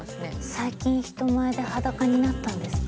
最近人前で裸になったんですか？